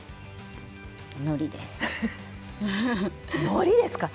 のりですか！